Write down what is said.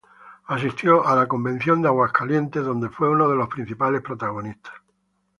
Asistió a la Convención de Aguascalientes donde fue uno de los principales protagonistas.